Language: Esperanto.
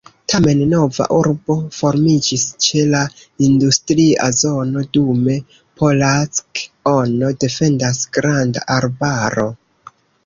Tamen, nova urbo formiĝis ĉe la industria zono, dume Polack-on defendas granda arbaro.